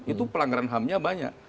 itu pelanggaran hamnya banyak